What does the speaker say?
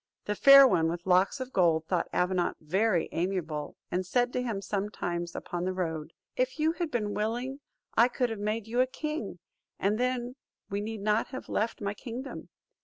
The Fair One with Locks of Gold thought Avenant very amiable, and said to him sometimes upon the road, "If you had been willing, I could have made you a king; and then we need not have left my kingdom."